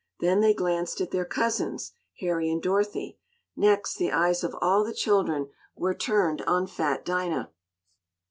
Then they glanced at their cousins, Harry and Dorothy. Next the eyes of all the children were turned on fat Dinah.